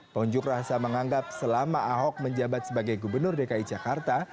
pengunjuk rasa menganggap selama ahok menjabat sebagai gubernur dki jakarta